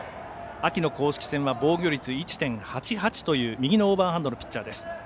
秋の公式戦は防御率１．８８という右のオーバーハンドピッチャー。